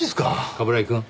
冠城くん。